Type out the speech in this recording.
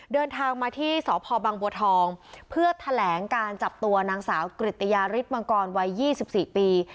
เดินทางมาที่สพบังบัวทองเพื่อแถลงการจับตัวนางสาวกริตยาฤทธิมังกรวัย๒๔ปี